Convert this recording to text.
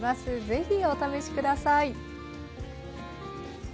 ぜひお試し下さい。